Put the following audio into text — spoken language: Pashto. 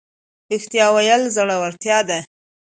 رښتیا ویل زړورتیا ده